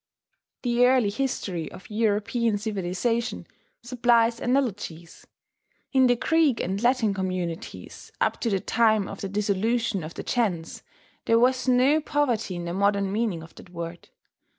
The early history of European civilization supplies analogies. In the Greek and Latin communities, up to the time of the dissolution of the gens, there was no poverty in the modern meaning of that word.